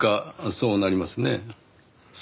「そうなりますね」